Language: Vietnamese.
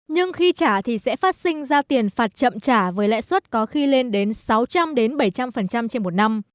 nhưng khi trả thì sẽ phát sinh giao tiền phạt chậm trả với lãi suất có khi lên đến sáu trăm linh bảy trăm linh trên một năm